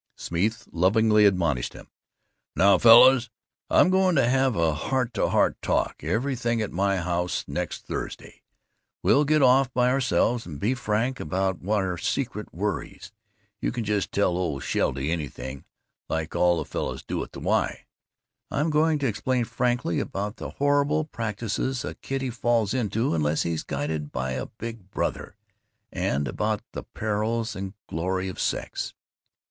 Smeeth lovingly admonished them, "Now, fellows, I'm going to have a Heart to Heart Talk Evening at my house next Thursday. We'll get off by ourselves and be frank about our Secret Worries. You can just tell old Sheldy anything, like all the fellows do at the Y. I'm going to explain frankly about the horrible practises a kiddy falls into unless he's guided by a Big Brother, and about the perils and glory of Sex."